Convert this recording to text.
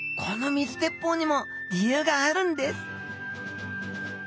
この水鉄砲にも理由があるんです。